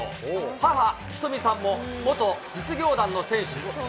母、ひとみさんも元実業団の選手。